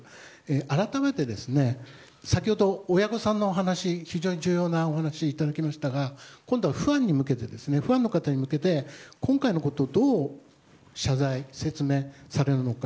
改めて、先ほど親御さんのお話非常に重要なお話をいただきましたが今度はファンの方に向けて今回のことをどう謝罪、説明されるのか。